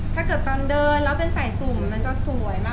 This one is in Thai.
ถ้าเกิดตอนเดินแล้วเป็นสายสุ่มมันจะสวยมาก